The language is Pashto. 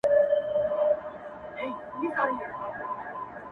داده چا ښكلي ږغ كي ښكلي غوندي شعر اورمه-